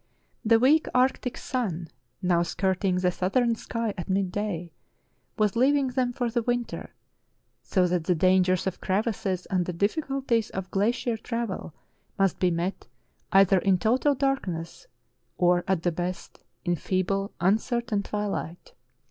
The weak arctic sun, now skirting the southern sky at mid day, was leaving them for the winter, so that the dangers of crevasses and the difficulties of glacier travel must be met either in total darkness, or, at the best, in feeble, uncertain twilight.